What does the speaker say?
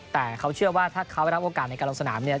แต่เขาเชื่อว่าถ้าเขาได้รับโอกาสในการลงสนามเนี่ย